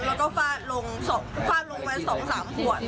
แล้วก็ฝาดลงไปสองสามขวด